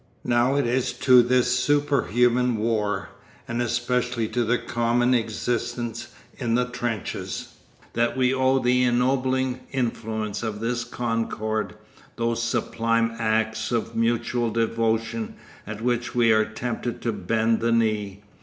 Now it is to this superhuman war, and especially to the common existence in the trenches, that we owe the ennobling influence of this concord, those sublime acts of mutual devotion, at which we are tempted to bend the knee.